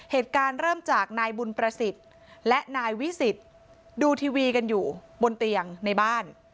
เหตุการณ์เริ่มจากนายบุญประสิทธิ์และนายวิสิทธิ์ดูทีวีกันอยู่บนเตียงในบ้าน